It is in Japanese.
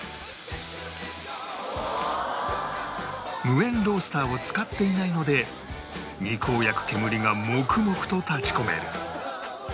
無煙ロースターを使っていないので肉を焼く煙がもくもくと立ち込める